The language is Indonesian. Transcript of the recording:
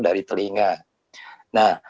dari telinga nah